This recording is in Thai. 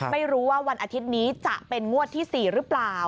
ไม่รู้ว่าวันอาทิตย์นี้จะเป็นงวดที่๔หรือเปล่า